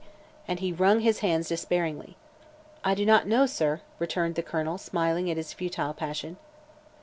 and he wrung his hands despairingly. "I do not know, sir," returned the Colonel, smiling at his futile passion.